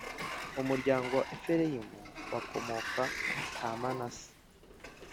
umuryango wa Efurayimu bakomoka ka manase